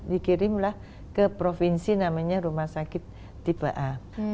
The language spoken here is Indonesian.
dikirimlah ke provinsi namanya rumah sakit tipe a